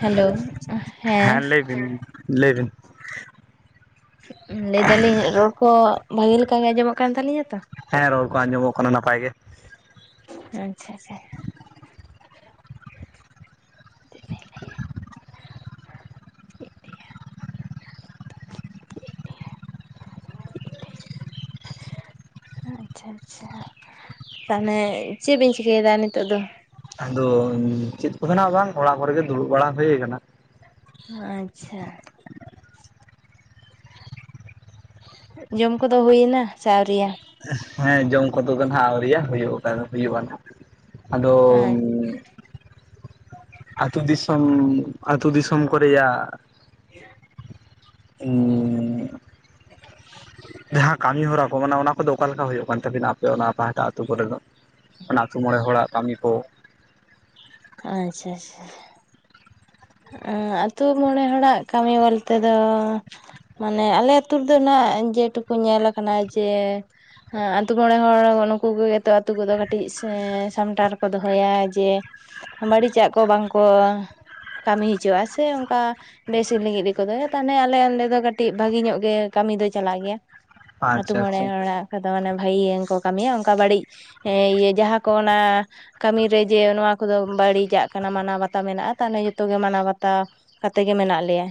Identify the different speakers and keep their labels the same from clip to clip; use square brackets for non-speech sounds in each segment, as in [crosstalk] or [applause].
Speaker 1: Hello ᱦᱮᱸ᱾
Speaker 2: ᱞᱟᱹᱭ ᱵᱤᱱ ᱞᱟᱹᱭ ᱵᱤᱱ
Speaker 1: ᱩᱸ ᱞᱟᱹᱭ ᱫᱟᱞᱤᱧ ᱨᱚᱲ ᱠᱚ ᱵᱷᱟᱜᱮ ᱞᱮᱠᱟ ᱜᱮ ᱟᱸᱡᱚᱢᱚᱜ ᱠᱟᱱ ᱛᱟᱞᱤᱧᱟᱛᱚ?
Speaker 2: ᱦᱮᱸ ᱨᱚᱲ ᱠᱚ ᱟᱸᱡᱚᱢᱚᱜ ᱠᱟᱱᱟ ᱱᱟᱯᱟᱭ ᱜᱮ᱾
Speaker 1: ᱟᱪᱪᱷᱟ ᱟᱪᱪᱷᱟ᱾ [inaudible] [inaudible] ᱟᱪᱪᱷᱟ ᱟᱪᱪᱷᱟ᱾ ᱛᱟᱦᱚᱞᱮ ᱪᱮᱫ ᱵᱤᱱ ᱪᱤᱠᱟᱹᱭᱮᱫᱟ ᱱᱤᱛᱚᱜ ᱫᱚ?
Speaker 2: ᱟᱫᱚ ᱪᱮᱫ ᱠᱚ ᱱᱟᱦᱜ ᱵᱟᱝ᱾ ᱚᱲᱟᱜ ᱠᱚᱨᱮᱜᱮ ᱫᱩᱲᱩᱵ ᱵᱟᱲᱟ ᱦᱳᱭ ᱠᱟᱱᱟ᱾
Speaker 1: ᱟᱪᱪᱷᱟ᱾ ᱡᱚᱢ ᱠᱚᱫᱚ ᱦᱩᱭᱮᱱᱟ ᱥᱮ ᱟᱹᱣᱨᱤᱭᱟ?
Speaker 2: ᱦᱮᱸ ᱡᱚᱢ ᱠᱚᱫᱚ ᱫᱚ ᱱᱦᱟᱜ ᱟᱹᱣᱨᱤᱭᱟ᱾ ᱦᱩᱭᱩᱜ ᱟᱠᱟᱫᱟ ᱦᱩᱭᱩᱜᱼᱟ ᱱᱟᱦᱟᱜ᱾ ᱟᱫᱚᱢ
Speaker 1: ᱟᱪᱪᱷᱟ
Speaker 2: ᱟᱹᱛᱩ ᱫᱤᱥᱚᱢ ᱟ. ᱛᱩ ᱫᱤᱥᱚᱢ ᱠᱚ ᱨᱮᱭᱟᱜ
Speaker 1: [inaudible]
Speaker 2: ᱩᱸ᱾
Speaker 1: [inaudible]
Speaker 2: ᱡᱟᱦᱟᱸ ᱠᱟᱹᱢᱤ ᱦᱚᱨᱟ ᱠᱚ ᱢᱟᱱᱮ ᱚᱱᱟ ᱠᱚᱫᱚ ᱚᱠᱟ ᱞᱮᱠᱟ ᱦᱩᱭᱩᱜ ᱠᱟᱱ ᱛᱟᱵᱤᱱᱟ ᱟᱯᱮ ᱚᱱᱟ ᱯᱟᱦᱴᱟ ᱟᱹᱛᱳ ᱠᱚᱨᱮ ᱫᱚ? ᱚᱱᱟ ᱟᱹᱛᱩ ᱢᱚᱬᱮ ᱦᱚᱲᱟᱜ ᱠᱟᱹᱢᱤ ᱠᱚ᱾
Speaker 1: ᱟᱪᱪᱷᱟ ᱟᱪᱷᱟ᱾ ᱦᱮᱸᱜ-ᱮ ᱟᱛᱳ ᱢᱚᱬᱮ ᱦᱚᱲᱟᱜ ᱠᱟᱹᱢᱤ ᱵᱚᱞᱛᱮ ᱫᱚ ᱢᱟᱱᱮ ᱟᱞᱮ ᱟᱹᱛᱩ ᱨᱮᱫᱚ ᱚᱱᱟ ᱡᱮᱴᱩᱠᱩ ᱧᱮᱞ ᱟᱠᱟᱱᱟ ᱡᱮ ᱦᱮᱸ ᱟ. ᱛᱩ ᱢᱚᱬᱮ ᱦᱚᱲ ᱱᱩᱠᱩ ᱜᱮᱛᱚ ᱟᱹᱛᱩ ᱠᱚᱫᱚ ᱠᱟᱹᱴᱤᱡ ᱥᱮ ᱥᱟᱢᱴᱟᱣ ᱨᱮᱠᱚ ᱫᱚᱦᱚᱭᱟ ᱡᱮ ᱵᱟᱹᱲᱤᱡᱟᱜ ᱠᱚ ᱵᱟᱝᱠᱚ ᱠᱟᱹᱢᱤ ᱦᱳᱪᱳᱣᱟᱜᱼᱟ᱾ ᱥᱮ ᱚᱱᱠᱟ ᱵᱮᱥᱤ ᱞᱟᱹᱜᱤᱫ ᱜᱮᱠᱚ ᱫᱚᱦᱚᱭᱟ ᱛᱟᱦᱚᱞᱮ ᱟᱞᱮ ᱱᱚᱰᱮ ᱫᱚ ᱠᱟᱹᱴᱤᱡ ᱵᱷᱟᱹᱜᱤ ᱧᱚᱜ ᱜᱮ ᱠᱟᱹᱢᱤ ᱫᱚᱭ ᱪᱟᱞᱟᱜ ᱜᱮᱭᱟ᱾ ᱟ. ᱛᱩ
Speaker 2: ᱟᱪᱪᱷᱟ
Speaker 1: ᱢᱚᱬᱮ
Speaker 2: ᱟᱪᱪᱷᱟ
Speaker 1: ᱦᱚᱲᱟᱜ ᱠᱚᱫᱚ ᱢᱟᱱᱮ ᱵᱷᱟᱹᱜᱤ ᱜᱮᱠᱚ ᱠᱟᱹᱢᱤᱭᱟ ᱚᱱᱠᱟ ᱵᱟᱹᱲᱤᱡ ᱦᱮᱸ ᱤᱭᱟᱹ ᱡᱟᱦᱟᱸ ᱠᱚ ᱚᱱᱟ ᱠᱟᱹᱢᱤ ᱨᱮ ᱡᱮ ᱱᱚᱣᱟ ᱠᱚᱫᱚ ᱵᱟᱹᱲᱤᱡᱟᱜ ᱠᱟᱱᱟ᱾ ᱢᱟᱱᱟᱣ ᱵᱟᱛᱟᱣ ᱢᱮᱱᱟᱜᱼᱟ ᱛᱟᱦᱚᱞᱮ ᱡᱚᱛᱚ ᱜᱮ ᱢᱟᱱᱟᱣ ᱵᱟᱛᱟᱣ ᱠᱟᱛᱮ ᱜᱮ ᱢᱮᱱᱟᱜ ᱞᱮᱭᱟ᱾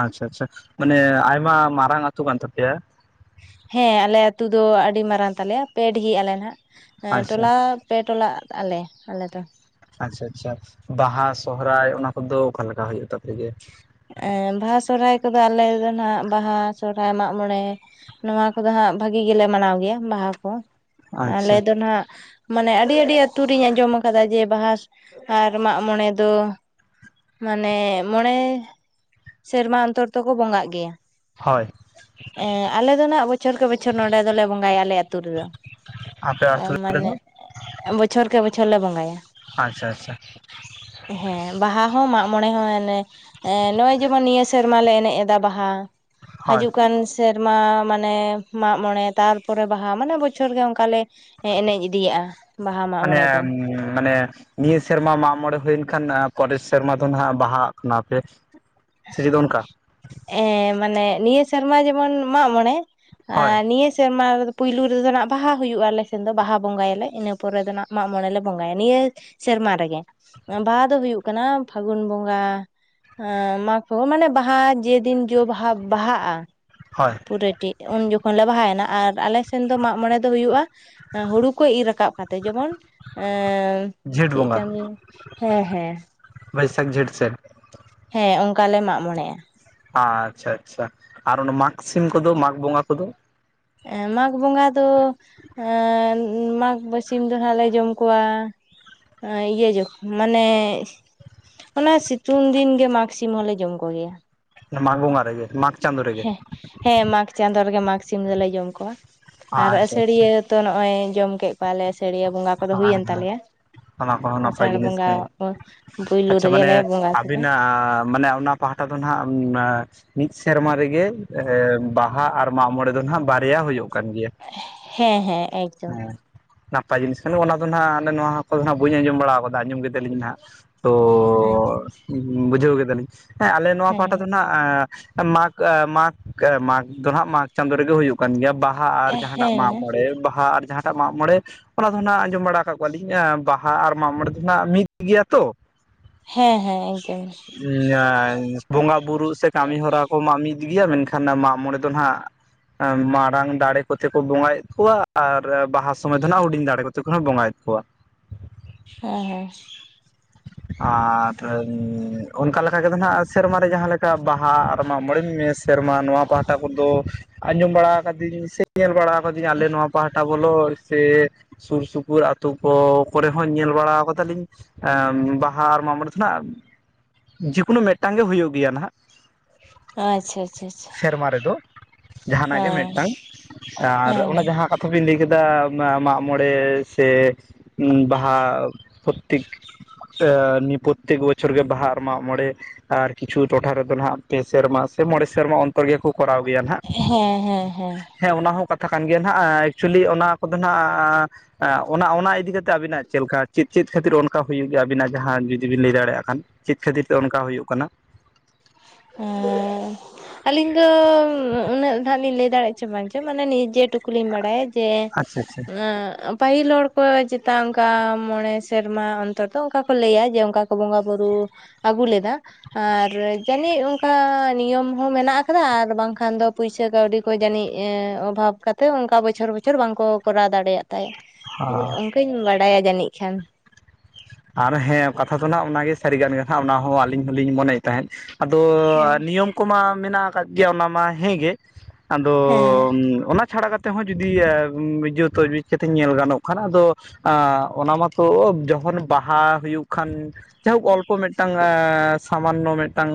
Speaker 2: ᱟᱪᱪᱷᱟ ᱟᱪᱪᱷᱟ ᱢᱟᱱᱮ ᱟᱭᱢᱟ ᱢᱟᱨᱟᱝ ᱟᱹᱛᱩ ᱠᱟᱱ ᱛᱟᱯᱮᱭᱟ?
Speaker 1: ᱦᱮᱸ ᱟᱞᱮ ᱟᱹᱛᱩ ᱫᱚ ᱟᱹᱰᱤ ᱢᱟᱨᱟᱝ ᱛᱟᱞᱮᱭᱟ ᱯᱮ ᱰᱤᱦᱤ ᱟᱞᱮ ᱱᱟᱦᱟᱜ ᱮᱸ
Speaker 2: ᱟᱪᱪᱷᱟ
Speaker 1: ᱴᱚᱞᱟ ᱯᱮ ᱴᱚᱞᱟᱜ ᱟᱞᱮ ᱟᱞᱮ ᱫᱚ᱾
Speaker 2: ᱟᱪᱪᱷᱟ ᱟᱪᱪᱷᱟ᱾ ᱵᱟᱦᱟ ᱥᱚᱦᱚᱨᱟᱭ ᱚᱱᱟ ᱠᱚᱫᱚ ᱚᱠᱟᱞᱮᱠᱟ ᱦᱩᱭᱩᱜ ᱛᱟᱯᱮ ᱜᱮᱭᱟ?
Speaker 1: ᱮᱸ ᱵᱟᱦᱟ ᱥᱚᱨᱦᱟᱭ ᱠᱚᱫᱚ ᱟᱞᱮ ᱫᱚ ᱱᱟᱦᱟᱜ ᱵᱟᱦᱟ, ᱥᱚᱨᱦᱟᱭ, ᱢᱟᱜ ᱢᱚᱬᱮ᱾ ᱱᱚᱣᱟ ᱠᱚᱫᱚ ᱦᱟᱸᱜ ᱵᱷᱟᱹᱜᱤ ᱜᱮᱞᱮ ᱢᱟᱱᱟᱣ ᱜᱮᱭᱟ ᱵᱟᱦᱟ ᱠᱚ
Speaker 2: ᱟᱪᱪᱷᱟ
Speaker 1: ᱟᱞᱮ ᱫᱚ ᱱᱟᱦᱟᱜ ᱢᱟᱱᱮ ᱟᱹᱰᱤ ᱟᱹᱰᱤ ᱟ. ᱛᱩ ᱨᱤᱧ ᱟᱸᱡᱚᱢ ᱟᱠᱟᱫᱟ ᱡᱮ ᱵᱟᱦᱟ ᱟᱨ ᱢᱟᱜ ᱢᱚᱬᱮ ᱫᱚ ᱢᱟᱱᱮ ᱢᱚᱬᱮ ᱥᱮᱨᱢᱟ ᱚᱱᱛᱚᱨ ᱛᱚᱠᱚ ᱵᱚᱸᱜᱟᱜ ᱜᱮᱭᱟ᱾
Speaker 2: ᱦᱳᱭ᱾
Speaker 1: ᱮᱸ ᱟᱞᱮ ᱫᱚ ᱱᱟᱦᱜ ᱵᱚᱪᱷᱚᱨ ᱠᱮ ᱵᱚᱪᱷᱚᱨ ᱱᱚᱸᱰᱮ ᱫᱚᱞᱮ ᱵᱚᱸᱜᱟᱭᱟ ᱟᱞᱮ ᱟᱹᱛᱩ ᱨᱮᱫᱚ᱾
Speaker 2: ᱟᱯᱮ
Speaker 1: ᱚ
Speaker 2: ᱟᱹᱛᱩ
Speaker 1: ᱢᱟᱱᱮ
Speaker 2: ᱨᱮᱫᱚ
Speaker 1: ᱵᱚᱪᱷᱚᱨ ᱠᱮ ᱵᱚᱪᱷᱚᱨ ᱞᱮ ᱵᱚᱸᱜᱟᱭᱟ᱾
Speaker 2: ᱟᱪᱪᱷᱟ ᱟᱪᱪᱷᱟ᱾
Speaker 1: ᱦᱮᱸ ᱵᱟᱦᱟ ᱦᱚᱸ ᱢᱟᱜ ᱢᱚᱬᱮ ᱦᱚᱸ ᱮᱱᱮ ᱮᱸ ᱱᱚᱜᱼᱚᱭ ᱡᱮᱢᱚᱱ ᱱᱤᱭᱟᱹ ᱥᱮᱨᱢᱟ ᱞᱮ ᱮᱱᱮᱡ ᱮᱫᱟ ᱵᱟᱦᱟ᱾
Speaker 2: ᱦᱳᱭ
Speaker 1: ᱦᱟᱡᱩᱜ ᱠᱟᱱ ᱥᱮᱨᱢᱟ ᱢᱟᱱᱮ ᱢᱟᱜ ᱢᱚᱬᱮ, ᱛᱟᱨᱯᱚᱨᱮ ᱵᱟᱦᱟ ᱢᱟᱱᱮ ᱵᱚᱪᱷᱚᱨ ᱜᱮ ᱚᱱᱠᱟ ᱞᱮ ᱮ ᱮᱱᱮᱡ ᱤᱫᱤᱭᱟᱜᱼᱟ᱾ ᱵᱟᱦᱟ ᱢᱟᱜ ᱢᱚᱬᱮ ᱫᱚ
Speaker 2: ᱢᱟᱱᱮᱢ ᱢᱟᱱᱮ ᱱᱤᱭᱟᱹ ᱥᱮᱨᱢᱟ ᱢᱟᱜ ᱢᱚᱬᱮ ᱦᱩᱭᱮᱱ ᱠᱷᱟᱱ ᱮᱸ ᱯᱚᱨᱮᱨ ᱥᱮᱨᱢᱟ ᱫᱚ ᱱᱟᱦᱟᱜ ᱵᱟᱦᱟᱜᱟᱜ ᱠᱟᱱᱟ ᱯᱮ᱾ ᱥᱮᱪᱮᱫ ᱚᱱᱠᱟ
Speaker 1: ᱮᱸ ᱢᱟᱱᱮ ᱱᱤᱭᱟᱹ ᱥᱮᱨᱢᱟ ᱡᱮᱢᱚᱱ ᱢᱟᱜ ᱢᱚᱬᱮ
Speaker 2: ᱦᱳᱭ
Speaker 1: ᱱᱤᱭᱟᱹ ᱥᱮᱨᱢᱟ ᱯᱩᱭᱞᱩ ᱨᱮᱫᱚ ᱱᱟᱜ ᱵᱟᱦᱟ ᱦᱩᱭᱩᱜᱼᱟ ᱟᱞᱮ ᱥᱮᱱ ᱫᱚ, ᱵᱟᱦᱟ ᱵᱚᱸᱜᱟᱭᱟᱞᱮ ᱤᱱᱟᱹ ᱯᱚᱨᱮ ᱫᱚ ᱱᱟᱜ ᱢᱟᱜ ᱢᱚᱬᱮ ᱞᱮ ᱵᱚᱸᱜᱟᱭᱟ ᱱᱤᱭᱟᱹ ᱥᱮᱨᱢᱟ ᱨᱮᱜᱮ ᱵᱟᱦᱟ ᱫᱚ ᱦᱩᱭᱩᱜ ᱠᱟᱱᱟ ᱯᱷᱟᱹᱜᱩᱱ ᱵᱚᱸᱜᱟ ᱮᱸᱻ ᱢᱟᱜ ᱯᱷᱟᱜᱩᱱ ᱢᱟᱱᱮ ᱵᱟᱦᱟ ᱡᱮᱫᱤᱱ ᱡᱚ ᱵᱟᱦᱟ ᱵᱟᱦᱟᱜᱼᱟ᱾
Speaker 2: ᱦᱚᱭ
Speaker 1: ᱯᱩᱨᱟᱹᱴᱤ ᱩᱱ ᱡᱚᱠᱷᱚᱱ ᱞᱮ ᱵᱟᱦᱟᱭᱮᱱᱟ, ᱟᱨ ᱟᱞᱮ ᱥᱮᱱ ᱫᱚ ᱢᱟᱜ ᱢᱚᱬᱮ ᱫᱚ ᱦᱩᱭᱩᱜᱼᱟ ᱦᱳᱲᱩ ᱠᱚ ᱤᱨ ᱨᱟᱠᱟᱵ ᱠᱟᱛᱮᱜ ᱡᱮᱢᱚᱱ ᱮᱻ
Speaker 2: ᱡᱷᱮᱸᱴ ᱵᱚᱸᱜᱟ, ᱵᱟᱹᱭᱥᱟᱹᱠᱷ ᱡᱷᱮᱸᱴ ᱥᱮᱫ᱾
Speaker 1: ᱦᱮᱸ ᱚᱱᱠᱟ ᱞᱮ ᱢᱟᱜ ᱢᱚᱬᱮᱜᱼᱟ᱾
Speaker 2: ᱟᱪᱪᱷᱟ ᱟᱪᱪᱷᱟ, ᱟᱨ ᱚᱱᱟ ᱢᱟᱜᱽ ᱥᱤᱢ ᱠᱚ ᱫᱚ ᱢᱟᱜᱽ ᱵᱚᱸᱜᱟ ᱠᱚ ᱫᱚ?
Speaker 1: ᱮᱸ ᱢᱟᱜᱽ ᱵᱚᱸᱜᱟ ᱫᱚ ᱟᱨ ᱢᱟᱜᱽ ᱵᱟᱥᱤᱢ ᱫᱚ ᱦᱟᱸᱜ ᱞᱮ ᱡᱚᱢ ᱠᱚᱣᱟᱻ ᱤᱭᱟᱹ ᱡᱚ ᱢᱟᱱᱮ ᱚᱱᱟ ᱥᱤᱛᱩᱝ ᱫᱤᱱ ᱜᱮ ᱢᱟᱜᱽ ᱥᱤᱢ ᱦᱚᱞᱮ ᱡᱚᱢ ᱠᱚ ᱜᱮᱭᱟ᱾
Speaker 2: ᱢᱟᱜᱽ ᱵᱚᱸᱜᱟ ᱨᱮᱜᱮ, ᱢᱟᱜᱽ ᱪᱟᱸᱫᱳ ᱨᱮᱜᱮ
Speaker 1: ᱦᱮᱸ, ᱦᱮᱸ ᱢᱟᱜᱽ ᱪᱟᱸᱫᱳ ᱨᱮᱜᱮ ᱢᱟᱜᱽ ᱥᱤᱢ ᱫᱚᱞᱮ ᱡᱚᱢ ᱠᱚᱣᱟ, ᱟᱨ
Speaker 2: ᱟᱪᱪᱷᱟ
Speaker 1: ᱟᱹᱥᱟᱹᱲᱤᱭᱟᱹ
Speaker 2: ᱟᱪᱪᱷᱟ
Speaker 1: ᱛᱚ ᱱᱚᱜᱼᱚᱭ ᱡᱚᱢ ᱠᱮᱫ ᱠᱚᱣᱟᱞᱮ, ᱥᱟᱹᱲᱤᱭᱟᱹ ᱵᱚᱸᱜᱟ ᱠᱚᱫᱚ
Speaker 2: ᱦᱳᱭ
Speaker 1: ᱦᱩᱭᱮᱱ ᱛᱟᱞᱮᱭᱟ᱾
Speaker 2: ᱚᱱᱟ ᱠᱚᱦᱚᱸ ᱱᱟᱯᱟᱭ
Speaker 1: ᱟᱥᱟᱲ
Speaker 2: ᱡᱤᱱᱤᱥ
Speaker 1: ᱵᱚᱸᱜᱟ
Speaker 2: ᱜᱮ,
Speaker 1: ᱯᱩᱭᱞᱩ
Speaker 2: ᱟᱪᱪᱷᱟ, ᱢᱟᱱᱮ
Speaker 1: ᱨᱮᱜᱮᱞᱮ ᱵᱚᱸᱜᱟ ᱠᱮᱫᱟ
Speaker 2: ᱟᱹᱵᱤᱱᱟᱜ ᱢᱟᱱᱮ ᱚᱱᱟ ᱯᱟᱦᱴᱟ ᱫᱚ ᱱᱟᱦᱟᱜ [inaudible] ᱢᱤᱫ ᱥᱮᱨᱢᱟ ᱨᱮᱜᱮ, ᱵᱟᱦᱟ ᱟᱨ ᱢᱟᱜᱽ ᱢᱚᱬᱮ ᱫᱚ ᱱᱟᱦᱟᱜ ᱵᱟᱨᱭᱟ ᱦᱩᱭᱩᱜ ᱠᱟᱱ ᱜᱮᱭᱟ᱾
Speaker 1: ᱦᱮᱸ ᱦᱮᱸ ᱮᱠᱫᱚᱢ᱾
Speaker 2: ᱦᱮᱸ ᱱᱟᱯᱟᱭ ᱡᱤᱱᱤᱥ ᱠᱟᱱᱟ ᱚᱱᱟ ᱫᱚ ᱱᱟᱦᱟᱜ ᱟᱞᱮ ᱱᱚᱣᱟ ᱠᱚᱫᱚ ᱦᱟᱸᱜ ᱵᱟᱹᱧ ᱟᱸᱡᱚᱢ ᱵᱟᱲᱟᱣ ᱠᱟᱫᱟ ᱟᱸᱡᱚᱢ ᱠᱮᱫᱟᱞᱤᱧ ᱱᱟᱸᱜ ᱛᱚ,
Speaker 1: ᱟᱪᱪᱷᱟ
Speaker 2: ᱵᱩᱡᱷᱟᱹᱣ ᱠᱮᱫᱟᱞᱤᱧ, ᱦᱮᱸ ᱟᱞᱮ ᱱᱚᱣᱟ
Speaker 1: ᱦᱮᱸ
Speaker 2: ᱯᱟᱦᱴᱟ ᱫᱚ ᱱᱟᱜ ᱢᱟᱜᱽ ᱢᱟᱜᱽ, ᱢᱟᱜᱽ ᱫᱚ ᱦᱟᱸᱜ ᱢᱟᱜᱽ ᱪᱟᱸᱫᱳ ᱨᱮᱜᱮ ᱦᱩᱭᱩᱜ ᱠᱟᱱ ᱜᱮᱭᱟ ᱵᱟᱦ ᱵᱟᱦᱟ ᱟᱨ ᱡᱟᱦᱟᱸᱴᱟᱜ ᱢᱟᱜᱽ
Speaker 1: ᱦᱮᱸ
Speaker 2: ᱢᱚᱲᱮ, ᱵᱟᱦᱟ ᱟᱨ ᱡᱟᱦᱟᱸᱴᱟᱜ ᱢᱟᱜᱽ ᱢᱚᱲᱮ ᱚᱱᱟ ᱫᱚ ᱚᱱᱟ ᱟᱸᱡᱚᱢ ᱵᱟᱲᱟ ᱠᱟᱜ ᱠᱚᱣᱟᱞᱤᱧ, ᱵᱟᱦᱟ ᱟᱨ ᱢᱟᱜᱽ ᱢᱚᱲᱮ ᱫᱚ ᱱᱟᱦᱟᱜ ᱢᱤᱫ ᱜᱮᱭᱟ ᱛᱚ,
Speaker 1: ᱦᱮᱸ ᱦᱮᱸ ᱮᱠᱫᱚᱢ᱾
Speaker 2: [inaudible] ᱵᱚᱸᱜᱟ ᱵᱩᱨᱩᱜ ᱥᱮ ᱠᱟᱹᱢᱤ ᱦᱚᱨᱟ ᱠᱚᱢᱟ ᱢᱤᱫ ᱜᱮᱭᱟ, ᱢᱮᱱᱠᱷᱟᱱ ᱢᱟᱜᱽ ᱢᱚᱲᱮ ᱫᱚ ᱱᱟᱜ ᱢᱟᱲᱟᱝ ᱫᱟᱲᱮ ᱠᱚᱛᱮ ᱠᱚ ᱵᱚᱸᱜᱟᱭᱮᱫ ᱠᱚᱣᱟ, ᱟᱨ ᱵᱟᱦᱟ ᱥᱚᱢᱚᱭ ᱫᱚ ᱱᱟᱜ ᱦᱩᱰᱤᱧ ᱫᱟᱲᱮ ᱠᱚᱛᱮ, ᱛᱚᱠᱷᱚᱱ ᱦᱚᱸ ᱵᱚᱸᱜᱟᱭᱮᱫ ᱠᱚᱣᱟ᱾
Speaker 1: ᱦᱮᱸ ᱦᱮᱸ᱾
Speaker 2: ᱟᱨ ᱚᱱᱠᱟ ᱞᱮᱠᱟ ᱜᱮᱫᱚ ᱱᱟᱜ ᱥᱮᱨᱢᱟ ᱨᱮ ᱡᱟᱦᱟᱸ ᱞᱮᱠᱟ ᱵᱟᱦᱟ ᱟᱨ ᱢᱟᱜᱽ ᱢᱚᱬᱮ ᱢᱮ ᱥᱮᱨᱢᱟ ᱱᱚᱣᱟ ᱯᱟᱦᱴᱟ ᱠᱚᱫᱚ ᱟᱸᱡᱚᱢ ᱵᱟᱲᱟ ᱠᱟᱹᱫᱤᱧ ᱥᱮ, ᱧᱮᱞ ᱵᱟᱲᱟ ᱠᱟᱫᱤᱧ ᱟᱞᱮ ᱱᱚᱣᱟ ᱯᱟᱦᱴᱟ ᱵᱚᱞᱚ ᱥᱮ ᱥᱩᱨ ᱥᱩᱯᱩᱨ ᱟᱛᱩ ᱠᱚ ᱠᱚᱨᱮ ᱦᱚᱸ ᱧᱮᱞ ᱵᱟᱲᱟ ᱠᱟᱫᱟᱞᱤᱧ, ᱵᱟᱦᱟ ᱟᱨ ᱢᱟᱜᱽ ᱢᱚᱬᱮ ᱫᱚ ᱱᱟᱜ ᱡᱮᱠᱳᱱᱳ ᱢᱤᱫᱴᱟᱝ ᱜᱮ ᱦᱳᱭᱳᱜ ᱜᱮᱭᱟ ᱱᱟᱦᱟᱜ᱾
Speaker 1: ᱟᱪᱪᱷᱟ ᱟᱪᱪᱷᱟ, ᱟᱪᱪᱷᱟ᱾
Speaker 2: ᱥᱮᱨᱢᱟ ᱨᱮᱫᱚ ᱡᱟᱦᱟᱱᱟᱜ ᱜᱮ
Speaker 1: ᱦᱮᱸ
Speaker 2: ᱢᱤᱫᱴᱟᱝ ᱟᱨ
Speaker 1: ᱦᱮᱸ
Speaker 2: ᱚᱱᱟ ᱡᱟᱦᱟᱸ ᱠᱟᱛᱷᱟ [inaudible] ᱞᱟᱹᱭ ᱠᱮᱫᱟ ᱢᱟᱜ ᱢᱚᱬᱮ ᱥᱮ ᱵᱟᱦᱟ ᱯᱨᱚᱛᱤᱠ ᱛᱚ ᱱᱤᱭᱟᱹ ᱯᱨᱚᱛᱛᱮᱠ ᱵᱚᱪᱷᱚᱨ ᱜᱮ ᱵᱟᱦᱟ ᱟᱨ ᱢᱟᱜᱽ ᱢᱚᱬᱮ ᱟᱨ ᱠᱤᱪᱷᱩ ᱴᱚᱴᱷᱟ ᱨᱮᱫᱚ ᱱᱟᱦᱟᱜ ᱯᱮ ᱥᱮᱨᱢᱟ, ᱥᱮ ᱢᱚᱬᱮ ᱥᱮᱨᱢᱟ ᱚᱱᱛᱚᱨ ᱜᱮᱠᱚ ᱠᱚᱨᱟᱣ ᱜᱮᱭᱟ ᱱᱟᱦᱟᱜ᱾
Speaker 1: ᱦᱮᱸ ᱦᱮᱸ
Speaker 2: ᱦᱮᱸ ᱚᱱᱟ ᱦᱚᱸ ᱠᱟᱛᱷᱟ ᱠᱟᱱ ᱜᱮᱭᱟ ᱱᱟᱦᱟᱜ, ᱮᱠᱪᱩᱞᱤ ᱚᱱᱟ ᱠᱚᱫᱚ ᱱᱟᱦᱟᱜ ᱮᱸ ᱚᱱᱟ ᱚᱱᱟ ᱤᱫᱤ ᱠᱟᱛᱮᱜ ᱟᱵᱤᱱᱟᱜ ᱪᱮᱫ ᱞᱮᱠᱟ ᱪᱮᱫ ᱪᱮᱫ ᱠᱷᱟᱹᱛᱤᱨ ᱚᱱ ᱠᱟ ᱦᱩᱭᱩᱜ ᱜᱮᱭᱟ ᱟᱵᱤᱱᱟᱜ ᱡᱟᱦᱟᱸ ᱡᱩᱫᱤ ᱵᱤᱱ ᱞᱟᱹᱭ ᱫᱟᱲᱮᱭᱟᱜ ᱠᱷᱟᱱ, ᱪᱮᱫ ᱠᱷᱟᱹᱛᱤᱨ ᱛᱮ ᱚᱱᱠᱟ ᱦᱩᱭᱩᱜ ᱠᱟᱱᱟ?
Speaker 1: ᱦᱮᱸᱻ ᱟᱹᱞᱤᱧ ᱫᱚ ᱩᱱᱟᱹᱜ ᱫᱚ ᱦᱟᱸᱜ ᱞᱤᱧ ᱞᱟᱹᱭ ᱫᱟᱲᱮᱭᱟᱜ ᱪᱚ ᱵᱟᱝ ᱪᱚ ᱢᱟᱱᱮ ᱱᱤᱡᱮ ᱴᱩᱠᱩ ᱞᱤᱧ ᱵᱟᱰᱟᱭᱟ ᱡᱮ
Speaker 2: ᱟᱪᱪᱷᱟ ᱟᱪᱪᱷᱟ
Speaker 1: ᱟᱸ ᱯᱟᱹᱦᱤᱞ ᱦᱚᱲ ᱠᱚ ᱪᱮᱛᱟ ᱚᱱᱠᱟ ᱢᱚᱬᱮ ᱥᱮᱨᱢᱟ ᱚᱱᱛᱚᱨ ᱫᱚ ᱚᱱᱠᱟ ᱠᱚ ᱞᱟᱹᱭᱟ ᱡᱮ ᱚᱱᱠᱟ ᱠᱚ ᱵᱚᱸᱜᱟ ᱵᱩᱨᱩ ᱟᱹᱜᱩ ᱞᱮᱫᱟ ᱟᱨ ᱡᱟᱹᱱᱤᱡ ᱚᱱᱠᱟ ᱱᱤᱭᱚᱢ ᱦᱚᱸ ᱢᱮᱱᱟᱜ ᱟᱠᱟᱫᱟ ᱟᱨ ᱵᱟᱝᱠᱷᱟᱱ ᱫᱚ ᱯᱩᱭᱥᱟᱹ ᱠᱟᱹᱣᱰᱤ ᱠᱚ ᱡᱟᱹᱱᱤᱡ ᱮᱸ ᱚᱵᱷᱟᱵᱽ ᱠᱟ ᱛᱚ ᱚᱱᱠᱟ ᱵᱚᱪᱷᱚᱨ ᱵᱚᱪᱷᱚᱨ ᱵᱟᱝ ᱠᱚ ᱠᱚᱨᱟᱣ ᱫᱟᱲᱮᱭᱟᱜ ᱛᱟᱭᱟ, ᱚᱱᱠᱟᱹᱧ ᱵᱟᱰᱟᱭᱟ ᱡᱟᱹᱱᱤᱡ ᱠᱷᱟᱱ᱾
Speaker 2: ᱟᱨ ᱦᱮᱸ ᱠᱟᱛᱷᱟ ᱫᱚ ᱱᱟᱦᱟᱸᱜ ᱚᱱᱟᱜᱮ ᱥᱟᱹᱨᱤ ᱜᱟᱱ ᱠᱟᱛᱷᱟ ᱚᱱᱟ ᱦᱚᱸ ᱟᱹᱞᱤᱧ ᱦᱚᱸᱞᱤᱧ ᱢᱚᱱᱮᱭᱮᱫ ᱛᱟᱦᱮᱸᱫ᱾ ᱟᱫᱚ
Speaker 1: ᱦᱮᱸ
Speaker 2: ᱱᱤᱭᱚᱢ ᱠᱚᱢᱟ ᱢᱮᱱᱟᱜ ᱟᱠᱟᱫ ᱜᱮᱭᱟ ᱚᱱᱟ ᱢᱟ ᱦᱮᱸ ᱜᱮ, ᱟᱫᱚ ᱚᱱᱟ ᱪᱷᱟᱲᱟ ᱠᱟ ᱛᱮ ᱦᱚᱸ ᱡᱩᱫᱤ ᱡᱚᱛᱚ ᱢᱤᱫ ᱠᱟᱛᱮ ᱧᱮᱞ ᱜᱟᱱᱚᱜ ᱠᱷᱟᱱ ᱟᱫᱚ ᱟ ᱚᱱᱟ ᱢᱟᱛᱚ ᱡᱚᱠᱷᱚᱱ ᱵᱟᱦᱟ ᱦᱩᱭᱩᱜ ᱠᱷᱟᱱ ᱡᱟᱭᱦᱳᱠ ᱚᱞᱯᱚ ᱢᱤᱫᱴᱟᱝ ᱮᱸ ᱥᱟᱢᱟᱱᱱᱚ ᱢᱤᱫᱴᱟᱝ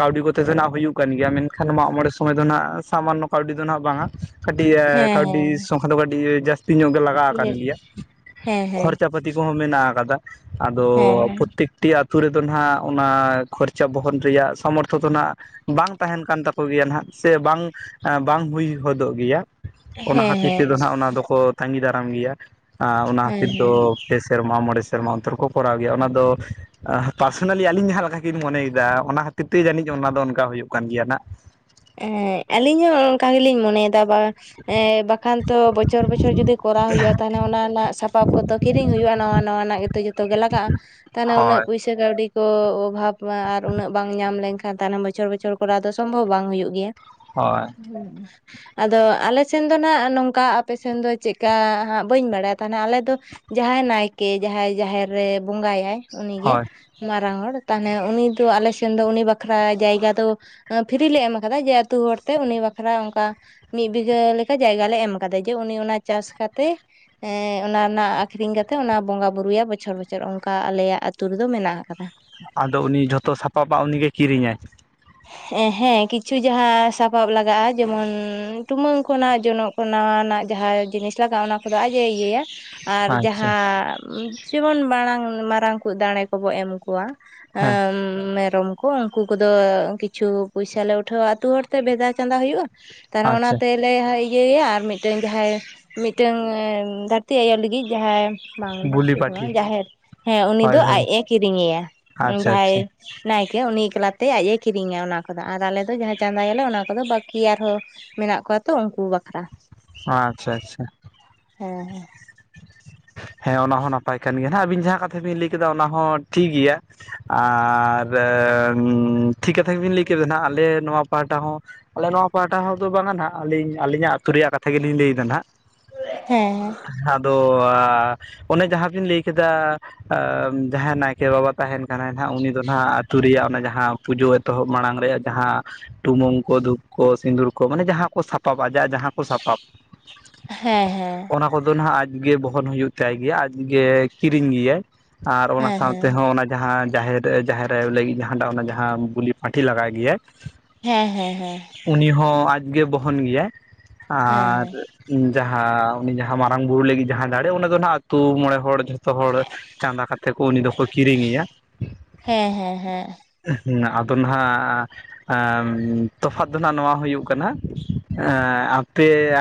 Speaker 2: ᱠᱟᱹᱣᱰᱤ ᱠᱚᱛᱮ ᱫᱚ ᱱᱟᱜ ᱦᱩᱭᱩᱜ ᱠᱟᱱ ᱜᱮᱭᱟ ᱢᱮᱱᱠᱷᱟᱱ ᱢᱟᱜ ᱢᱚᱬᱮ ᱥᱚᱢᱚᱭ ᱫᱚ ᱱᱟᱜ ᱥᱟᱢᱟᱱᱱᱚ ᱠᱟᱹᱣᱰᱤ ᱫᱚ ᱱᱟᱦᱟᱜ ᱵᱟᱝᱟ ᱠᱟᱹᱴᱤᱡ
Speaker 1: ᱦᱮᱸ
Speaker 2: ᱠᱟᱹᱣᱰᱤ
Speaker 1: ᱦᱮᱸ
Speaker 2: ᱥᱚᱝᱠᱷᱟ ᱫᱚ ᱠᱟᱹᱴᱤᱡ ᱡᱟᱹᱥᱛᱤ ᱧᱚᱜ ᱜᱮ ᱞᱟᱜᱟᱣ ᱟᱠᱟᱱ
Speaker 1: ᱦᱮᱸ
Speaker 2: ᱜᱮᱭᱟ,
Speaker 1: ᱦᱮᱸ ᱦᱮᱸ
Speaker 2: ᱠᱷᱚᱨᱪᱟ ᱯᱟᱛᱤ ᱠᱚᱦᱚᱸ ᱢᱮᱱᱟᱜ ᱟᱠᱟᱫᱟ᱾ ᱟᱫᱚ
Speaker 1: ᱦᱮᱸ ᱦᱮᱸ
Speaker 2: ᱯᱨᱚᱛᱛᱮᱠᱴᱤ ᱟᱛᱳ ᱨᱮᱫᱚ ᱱᱟᱦᱟᱜ ᱚᱱᱟ ᱠᱷᱚᱨᱪᱟ ᱵᱚᱦᱚᱱ ᱨᱮᱭᱟᱜ ᱥᱟᱢᱚᱨᱛᱷᱚ ᱫᱚ ᱱᱟᱜ ᱵᱟᱝ ᱛᱟᱦᱮᱱ ᱠᱟᱱ ᱛᱟᱠᱚ ᱜᱮᱭᱟ ᱱᱟᱦᱟᱜ ᱥᱮ ᱵᱟᱝ ᱵᱟᱝ ᱦᱩᱭ ᱦᱚᱫᱚᱜ ᱜᱮᱭᱟ, ᱚᱱᱟ
Speaker 1: ᱦᱮᱸ
Speaker 2: ᱠᱷᱟᱹᱛᱤᱨ
Speaker 1: ᱦᱮᱸ
Speaker 2: ᱛᱮᱫᱚ ᱱᱟᱦᱟᱜ ᱚᱱᱟ ᱫᱚᱠᱚ ᱛᱟᱸᱜᱤ ᱫᱟᱨᱟᱢ ᱜᱮᱭᱟ ᱟ ᱚᱱᱟ
Speaker 1: ᱦᱮᱸ
Speaker 2: ᱠᱷᱟᱹᱛᱤᱨ
Speaker 1: ᱦᱮᱸ
Speaker 2: ᱫᱚ ᱯᱮ ᱥᱮᱨᱢᱟ ᱢᱚᱬᱮ ᱥᱮᱨᱢᱟ ᱚᱱᱛᱚᱨ ᱠᱚ ᱠᱚᱨᱟᱣ ᱜᱮᱭᱟ ᱚᱱᱟ ᱫᱚ ᱟ ᱯᱟᱨᱥᱳᱱᱟᱞᱤ ᱟᱹᱞᱤᱧ ᱡᱟᱦᱟᱸ ᱞᱮᱠᱟ ᱠᱤᱱ ᱢᱚᱱᱮᱭᱮᱫᱟ ᱚᱱᱟ ᱠᱷᱟᱹᱛᱤᱨ ᱛᱮ ᱡᱟᱹᱱᱤᱡ ᱚᱱᱟ ᱫᱚ ᱚᱱᱠᱟ ᱦᱩᱭᱩᱜ ᱠᱟᱱ ᱜᱮᱭᱟ ᱱᱟᱜ᱾
Speaker 1: ᱮᱸ ᱟᱞᱤᱧ ᱦᱚᱸ ᱚᱱᱠᱟ ᱜᱮᱞᱤᱧ ᱢᱚᱱᱮᱭᱮᱫᱟ ᱵᱟ ᱮᱸ ᱵᱟᱠᱷᱟᱱ ᱛᱚ ᱵᱚᱪᱷᱚᱨ ᱵᱚᱪᱷᱚᱨ ᱡᱩᱫᱤ ᱠᱚᱨᱟᱣ ᱦᱩᱭᱩᱜᱼᱟ ᱛᱟᱦᱚᱞᱮ ᱚᱱᱟ ᱨᱮᱱᱟᱜ ᱥᱟᱯᱟᱵ ᱠᱚ ᱛᱚ ᱠᱤᱨᱤᱧ ᱦᱩᱭᱩᱜᱼᱟ ᱱᱟᱣᱟ ᱱᱟᱣᱟᱱᱟᱜ ᱜᱮᱛᱚ ᱡᱚᱛᱚ ᱜᱮ ᱞᱟᱜᱟᱜᱼᱟ ᱛᱟᱦᱚᱱᱮ ᱩᱱᱟᱹᱜ
Speaker 2: ᱦᱳᱭ
Speaker 1: ᱯᱚᱭᱥᱟ ᱥᱮ ᱠᱟᱹᱣᱰᱤ ᱠᱚ ᱚᱵᱷᱟᱵᱽ ᱢᱟ ᱟᱨ ᱩᱱᱟᱹᱜ ᱵᱟᱝ ᱧᱟᱢ ᱞᱮᱱᱠᱷᱟᱱ ᱛᱟᱭᱱᱚᱢ ᱵᱚᱪᱷᱚᱨ ᱵᱚᱪᱷᱚᱨ ᱠᱚᱨᱟᱣ ᱫᱚ ᱥᱚᱢᱵᱷᱚᱵ ᱵᱟᱝ ᱦᱩᱭᱩᱜ ᱜᱮᱭᱟ᱾
Speaker 2: ᱦᱳᱭ᱾
Speaker 1: [inaudible] ᱟᱫᱚ ᱟᱞᱮ ᱥᱮᱱ ᱫᱚ ᱱᱟᱦᱟᱸᱜ ᱱᱚᱝᱠᱟ ᱟᱯᱮ ᱥᱮᱱ ᱫᱚ ᱪᱮᱫᱠᱟ ᱦᱟᱸᱜ ᱵᱟᱹᱧ ᱵᱟᱲᱟᱭᱟ ᱛᱟᱦᱮᱱᱟ ᱟᱞᱮ ᱫᱚ ᱡᱟᱦᱟᱸᱭ ᱱᱟᱭᱠᱮ ᱡᱟᱦᱟᱸᱭ ᱡᱟᱦᱮᱨ ᱨᱮ ᱵᱚᱸᱜᱟᱭᱟᱭ ᱩᱱᱤᱜᱮ
Speaker 2: ᱦᱳᱭ
Speaker 1: ᱢᱟᱨᱟᱝ ᱦᱚᱲ ᱛᱟᱦᱚᱱᱮ ᱩᱱᱤ ᱫᱚ ᱟᱞᱮ ᱥᱮᱱ ᱫᱚ ᱩᱱᱤ ᱵᱟᱠᱷᱨᱟ ᱡᱟᱭᱜᱟ ᱫᱚ ᱯᱷᱤᱨᱤ ᱞᱮ ᱮᱢᱟ ᱠᱟᱫᱟ ᱡᱮ ᱟᱹᱛᱩ ᱦᱚᱲᱛᱮ ᱩᱱᱤ ᱵᱟᱠᱷᱨᱟ ᱚᱱᱠᱟ ᱢᱤᱫ ᱵᱤᱜᱷᱟᱹ ᱞᱮᱠᱟ ᱡᱟᱭᱜᱟ ᱞᱮ ᱮᱢ ᱠᱟᱫᱟ ᱡᱮ ᱩᱱᱤ ᱚᱱᱟ ᱪᱟᱥ ᱠᱟᱛᱮ ᱮᱸ ᱚᱱᱟ ᱨᱮᱱᱟᱜ ᱟᱠᱷᱨᱤᱧ ᱠᱟᱛᱮᱜ ᱚᱱᱟ ᱵᱚᱸᱜᱟ ᱵᱩᱨᱩᱭᱟᱭ ᱵᱚᱪᱷᱚᱨ ᱵᱚᱪᱷᱚᱨ ᱚᱱᱠᱟ ᱟᱞᱮᱭᱟᱜ ᱟᱛᱩ ᱨᱮᱫᱚ ᱢᱮᱱᱟᱜ ᱟᱠᱟᱫᱟ᱾
Speaker 2: ᱟᱫᱚ ᱩᱱᱤ ᱡᱷᱚᱛᱚ ᱥᱟᱯᱟᱵᱟ ᱩᱱᱤᱜᱮ ᱠᱤᱨᱤᱧᱟᱭ?
Speaker 1: ᱦᱮᱸ ᱠᱤᱪᱷᱩ ᱡᱟᱦᱟᱸ ᱥᱟᱯᱟᱵ ᱞᱟᱜᱟᱜᱼᱟ ᱡᱮᱢᱚᱱ ᱴᱩᱢᱟᱹᱝ ᱠᱷᱚᱜ ᱡᱚᱱᱚᱜ ᱠᱚ ᱱᱟᱣᱟᱱᱟᱜ ᱡᱟᱦᱟᱸ ᱡᱤᱱᱤᱥ ᱞᱟᱜᱟᱜᱼᱟ ᱚᱱᱟ ᱠᱚᱫᱚ ᱟᱡ ᱮ ᱤᱭᱟᱹᱭᱟ, ᱟᱨ
Speaker 2: ᱟᱪᱪᱷᱟ
Speaker 1: ᱡᱟᱦᱟᱸ ᱡᱮᱢᱚᱱ ᱢᱟᱲᱟᱝ ᱢᱟᱨᱟᱝ ᱠᱚᱡ ᱫᱟᱲᱮ ᱠᱚᱵᱚ ᱮᱢ ᱠᱚᱣᱟ ᱦᱮᱸ ᱢᱮᱨᱚᱢ ᱠᱚ ᱩᱱᱠᱩ ᱠᱚᱫᱚ ᱠᱤᱪᱷᱩ ᱯᱚᱭᱥᱟ ᱞᱮ ᱩᱴᱷᱟᱹᱣᱟ ᱟᱹᱛᱩ ᱦᱚᱲᱛᱮ ᱵᱷᱮᱫᱟ ᱪᱟᱸᱫᱟ ᱦᱩᱭᱩᱜᱼᱟ, ᱛᱟᱦᱚᱞᱮ
Speaker 2: ᱟᱪᱪᱷᱟ
Speaker 1: ᱚᱱᱟᱛᱮ ᱞᱮ ᱤᱭᱟᱹᱭᱟ ᱟᱨ ᱢᱤᱫᱴᱮᱱ ᱡᱟᱦᱟᱸᱭ ᱢᱤᱫᱴᱟᱝ ᱮᱸ ᱫᱷᱟᱹᱨᱛᱤ ᱟᱭᱳ ᱞᱟᱹᱜᱤᱫ ᱡᱟᱦᱟᱸᱭ ᱵᱟᱝ
Speaker 2: ᱵᱩᱞᱤ
Speaker 1: ᱞᱟᱹᱠᱛᱤᱜ ᱫᱚ
Speaker 2: ᱯᱟᱹᱴᱷᱤ
Speaker 1: ᱵᱟᱝ ᱡᱟᱦᱮᱨ, ᱦᱮᱸ ᱩᱱᱤ ᱫᱚ
Speaker 2: ᱦᱳᱭ ᱦᱳᱭ
Speaker 1: ᱟᱡ ᱮ ᱠᱤᱨᱤᱧᱮᱭᱟ,
Speaker 2: ᱟᱪᱪᱷᱟ
Speaker 1: ᱡᱟᱦᱟᱸᱭ
Speaker 2: ᱟᱪᱪᱷᱟ
Speaker 1: ᱱᱟᱭᱠᱮ ᱩᱱᱤ ᱮᱠᱞᱟ ᱛᱮ ᱟᱡ ᱮ ᱠᱤᱨᱤᱧᱟ ᱚᱱᱟ ᱠᱚᱫᱚ, ᱟᱨ ᱟᱞᱮᱚ ᱡᱟᱦᱟᱸ ᱪᱟᱸᱫᱟᱭᱟᱞᱮ ᱚᱱᱟ ᱠᱚᱫᱚ ᱵᱟᱹᱠᱤ ᱟᱨᱦᱚᱸ ᱢᱮᱱᱟᱜ ᱠᱚᱣᱟᱛᱚ ᱩᱱᱠᱩ ᱵᱟᱠᱷᱨᱟ᱾
Speaker 2: ᱟᱪᱪᱷᱟ ᱟᱪᱪᱷᱟ᱾
Speaker 1: ᱦᱮᱸ ᱦᱮᱸ᱾
Speaker 2: ᱦᱮᱸ ᱚᱱᱟ ᱦᱚᱸ ᱱᱟᱯᱟᱭ ᱠᱟᱱ ᱜᱮᱭᱟᱜ, ᱦᱮᱸᱟᱵᱤᱱ ᱡᱟᱦᱟᱸ ᱠᱟᱛᱷᱟ ᱵᱤᱱ ᱞᱟᱹᱭ ᱠᱮᱫᱟ ᱚᱱᱟ ᱦᱚᱸ ᱴᱷᱤᱠ ᱜᱤᱭᱟ᱾ ᱟᱨ ᱴᱷᱤᱠ ᱠᱟᱛᱷᱟ ᱜᱮᱵᱤᱱ ᱞᱟᱹᱭ ᱠᱮᱫᱮ ᱱᱟᱹᱜ ᱟᱞᱮ ᱱᱚᱣᱟ ᱯᱟᱦᱴᱟ ᱦᱚᱸ‌ ᱟᱞᱮ ᱱᱚᱣᱟ ᱯᱟᱦᱴᱟ ᱦᱚᱸᱫᱚ ᱵᱟᱝᱟ ᱱᱟᱜ, ᱟᱹᱞᱤᱧ ᱟᱹᱞᱤᱧᱟᱜ ᱟᱹᱛᱩ ᱨᱮᱭᱟᱜ ᱠᱟᱛᱷᱟ ᱜᱮᱞᱤᱧ ᱞᱟᱹᱭᱮᱫᱟ ᱱᱟᱦᱟᱜ᱾
Speaker 1: [unintelligible] ᱦᱮᱸ᱾
Speaker 2: ᱟᱫᱚ ᱚᱱᱮ ᱡᱟᱦᱟᱸ ᱵᱤᱱ ᱞᱟᱹᱭ ᱠᱮᱫᱟ ᱡᱟᱦᱟᱸᱭ ᱱᱟᱭᱠᱮ ᱵᱟᱵᱟ ᱛᱟᱦᱮᱱ ᱠᱟᱱᱟᱭ ᱱᱟᱜ, ᱩᱱᱤ ᱫᱚ ᱦᱟᱜ ᱟᱹᱛᱩ ᱨᱮᱭᱟᱜ ᱚᱱᱟ ᱡᱟᱦᱟᱸ ᱯᱩᱡᱳᱹ ᱮᱛᱚᱦᱚᱵ ᱢᱟᱲᱟᱝ ᱨᱮᱭᱟᱜ ᱡᱟᱦᱟᱸ ᱴᱩᱢᱳᱹᱝ ᱠᱚ ᱫᱷᱩᱯ ᱠᱚ ᱥᱤᱸᱫᱩᱨ ᱠᱚ ᱢᱟᱱᱮ ᱡᱟᱦᱟᱸ ᱠᱚ ᱥᱟᱯᱟᱵ ᱟᱡᱟᱜ ᱡᱟᱦᱟᱸ ᱠᱚ ᱥᱟᱯᱟᱵ᱾
Speaker 1: ᱦᱮᱸ ᱦᱮᱸ᱾
Speaker 2: ᱚᱱᱟ ᱠᱚᱫᱚ ᱱᱟᱦᱟᱜ ᱟᱡᱜᱮ ᱵᱚᱦᱚᱱ ᱦᱩᱭᱩᱜ ᱛᱟᱭ ᱜᱮᱭᱟ, ᱟᱡᱜᱮ ᱠᱤᱨᱤᱧ ᱜᱮᱭᱟᱭ᱾ ᱟᱨ ᱚᱱᱟ
Speaker 1: ᱦᱮᱸ ᱦᱮᱸ
Speaker 2: ᱥᱟᱶᱛᱮ ᱦᱚᱸ ᱚᱱᱟ ᱡᱟᱦᱟᱸ ᱡᱟᱦᱮᱨ, ᱡᱟᱦᱮᱨ ᱟᱭᱳ ᱞᱟᱹᱜᱤᱫ ᱡᱟᱦᱟᱸ ᱴᱟᱜ ᱚᱱᱟ ᱡᱟᱦᱟᱸ ᱵᱩᱞᱤ ᱯᱟᱹᱞᱺᱴᱷᱤ ᱞᱟᱜᱟᱭ ᱜᱮᱭᱟᱭ,
Speaker 1: ᱦᱮᱸ ᱦᱮᱸ ᱦᱮᱸ᱾
Speaker 2: ᱩᱱᱤ ᱦᱚᱸ ᱟᱡᱜᱮ ᱵᱚᱦᱚᱱ ᱜᱤᱭᱟᱭ,
Speaker 1: ᱦᱮᱸ
Speaker 2: ᱟᱨ ᱡᱟᱦᱟᱸ ᱩᱱᱤ ᱡᱟᱦᱟᱸ ᱢᱟᱨᱟᱝ ᱵᱩᱨᱩ ᱞᱟᱹᱜᱤᱫ ᱡᱟᱦᱟᱸ ᱫᱟᱬᱮ ᱚᱱᱟ ᱫᱚ ᱱᱟᱦᱟᱜ ᱟᱛᱩ ᱢᱚᱬᱮ ᱦᱚᱲ ᱡᱷᱚᱛᱚ ᱦᱚᱲ ᱪᱟᱸᱫᱟ ᱠᱟ ᱛᱮ ᱠᱚ ᱩᱱᱤ ᱫᱚᱠᱚ ᱠᱤᱨᱤᱧᱮᱭᱟ᱾
Speaker 1: ᱦᱮᱸ ᱦᱮᱸ ᱦᱮᱸ
Speaker 2: ᱟᱫᱚ ᱱᱟᱦᱟᱜ ᱟᱸᱻᱢ ᱛᱚᱯᱷᱟᱛ ᱫᱚ ᱱᱟᱦᱟᱜ ᱱᱚᱣᱟ ᱦᱩᱭᱩᱜ ᱠᱟᱱᱟ, ᱮᱸ ᱟᱯᱮ